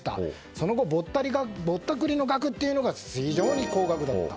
その後、ぼったくりの額が非常に高額だった。